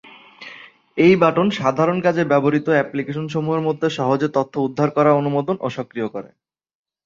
এই বাটন সাধারণ কাজে ব্যবহৃত অ্যাপ্লিকেশন সমূহের মধ্যে সহজে তথ্য উদ্ধার করা অনুমোদন ও সক্রিয় করে।